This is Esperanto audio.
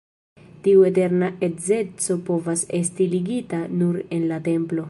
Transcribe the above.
Tiu eterna edzeco povas esti ligita nur en la templo.